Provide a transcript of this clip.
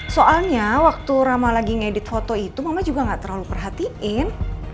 soalnya waktu rama lagi ngedit foto itu mama juga gak terlalu perhatiin